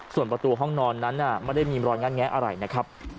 ส่วนประตูห้องนอนนั้นไม่ได้มีรอยงัดแงะอะไรนะครับ